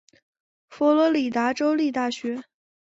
佛罗里达州立大学。